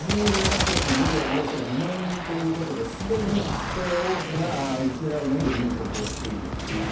５２か国延べおよそ２万人ということですでに多くがウクライナに入国していると。